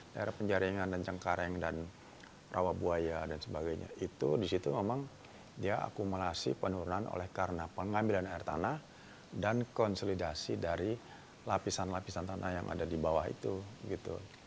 daerah penjaringan dan cengkareng dan rawabuaya dan sebagainya itu disitu memang dia akumulasi penurunan oleh karena pengambilan air tanah dan konsolidasi dari lapisan lapisan tanah yang ada di bawah itu gitu